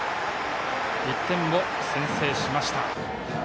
１点を先制しました。